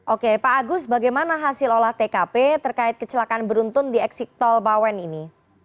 oke pak agus bagaimana hasil olah tkp terkait kecelakaan beruntun di eksik tol bawen ini